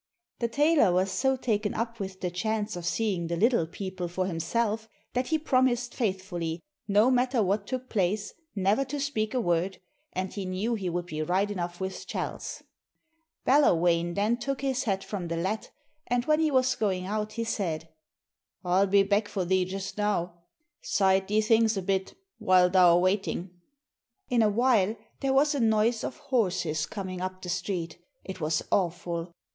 The tailor was so taken up with the chance of seeing the Little People for himself that he promised faithfully, no matter what took place, never to speak a word, and he knew he would be right enough with Chalse. Ballawhane then took his hat from the latt, and when he was going out he said: 'I'll be back for thee just now; side thee things a bit while thou 're waitin'.' In a while there was a noise of horses coming up the street it was awful.